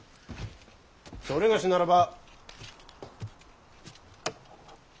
某ならば。